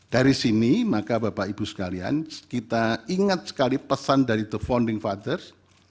dari sini maka bapak ibu sekalian kita ingat sekali pesan dari the founding fathers